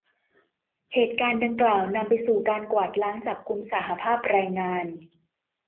เหตุการณ์ดังกล่าว นำไปสู่การกวาดล้างจับกุมสหภาพแรงงาน